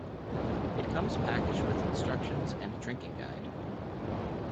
It comes packaged with instructions and a drinking guide.